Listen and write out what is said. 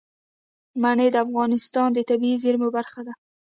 منی د افغانستان د طبیعي زیرمو برخه ده.